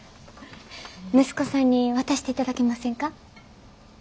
息子さんに渡していただけませんか？